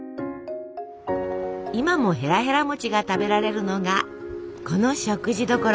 今もへらへら餅が食べられるのがこの食事処。